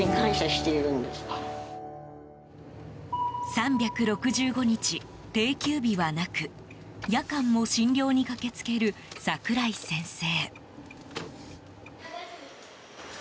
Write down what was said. ３６５日、定休日はなく夜間も診療に駆けつける櫻井先生。